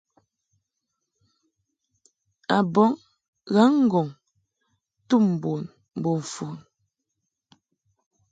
A bɔŋ ghaŋ-ŋgɔŋ tum bun mbo mfon.